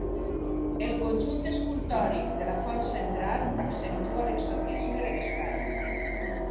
El conjunt escultòric de la font central accentua l'exotisme de l'espai.